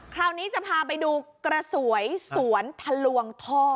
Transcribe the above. คราวนี้จะพาไปดูกระสวยสวนทะลวงท่อ